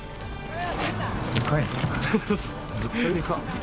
でかいね。